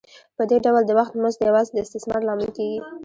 په دې ډول د وخت مزد یوازې د استثمار لامل کېږي